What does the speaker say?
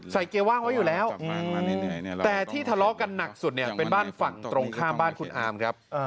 เกียร์ว่างไว้อยู่แล้วแต่ที่ทะเลาะกันหนักสุดเนี่ยเป็นบ้านฝั่งตรงข้ามบ้านคุณอามครับ